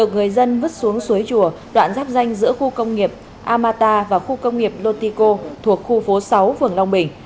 người dân vứt xuống suối chùa đoạn giáp danh giữa khu công nghiệp amata và khu công nghiệp lotico thuộc khu phố sáu phường long bình